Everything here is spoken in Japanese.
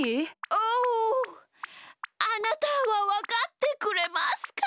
おおあなたはわかってくれますか？